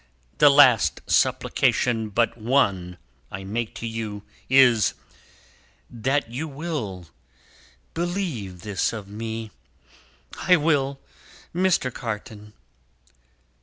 The last supplication but one I make to you, is, that you will believe this of me." "I will, Mr. Carton."